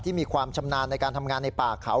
มีความชำนาญในการทำงานในป่าเขา